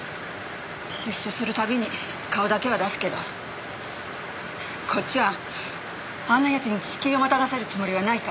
出所するたびに顔だけは出すけどこっちはあんな奴に敷居をまたがせるつもりはないから。